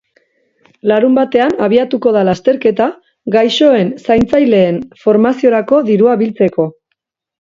Larunbatean abiatuko da lasterketa, gaixoen zaintzaileen formaziorako dirua biltzeko.